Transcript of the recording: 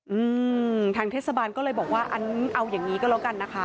อืมทางเทศบาลก็เลยบอกว่าอันเอาอย่างงี้ก็แล้วกันนะคะ